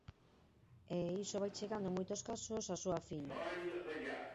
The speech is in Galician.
E iso vai chegando en moitos casos á súa fin.